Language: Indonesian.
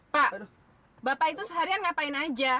pak bapak itu seharian ngapain aja